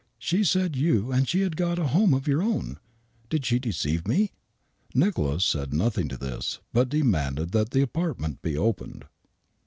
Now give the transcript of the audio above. She said you and she had got a home of your own. Did she deceive me ?" Nicholas said nothing to this, but demanded that the apart ment be opened.